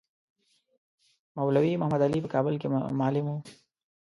مولوی محمدعلي په کابل کې معلم وو.